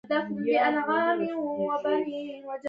د حاصل د ښه کیفیت لپاره باید ټول اړوند شرایط مراعات شي.